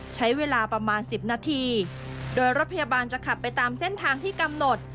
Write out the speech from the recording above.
ใช้เวลาประมาณ๑๐นาทีโดยรถพยาบาลจะขับไปตามเส้นทางที่กำหนด